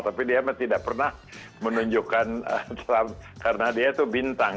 tapi dia tidak pernah menunjukkan trump karena dia itu bintang